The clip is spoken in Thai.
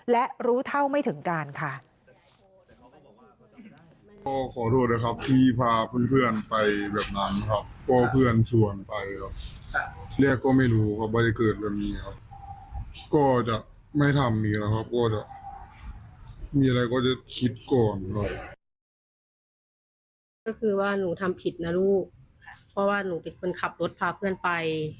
และรู้เท่าไม่ถึงการค่ะ